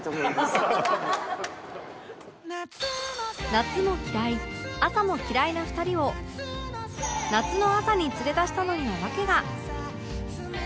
夏も嫌い朝も嫌いな２人を夏の朝に連れ出したのには訳が